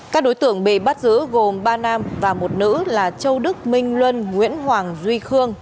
các đối tượng bị bắt giữ gồm ba nam và một nữ là châu đức minh luân nguyễn hoàng duy khương